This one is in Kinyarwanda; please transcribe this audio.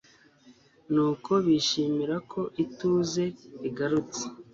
nuko bishimira ko ituze rigarutse